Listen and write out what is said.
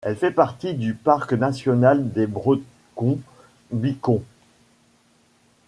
Elle fait partie du Parc national des Brecon Beacons.